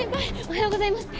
おはようございます。